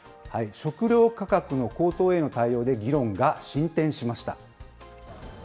食料価格の高騰への対応で議論が進展しました。